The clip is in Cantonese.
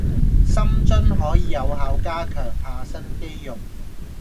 深蹲可以有效加強下身肌肉